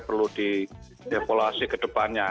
perlu di depolasi ke depannya